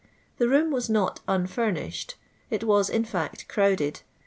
The room was not unfurnished — it was, in fact, crowded.